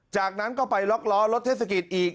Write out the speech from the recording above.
จากนั้นก็ไปล็อกล้อรถเทศกิจอีก